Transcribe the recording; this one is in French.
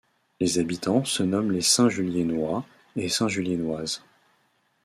Les habitants se nomment les Saint-Juliennois et Saint-Juliennoises.